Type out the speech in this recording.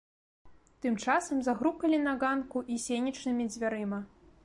Тым часам загрукалі на ганку і сенечнымі дзвярыма.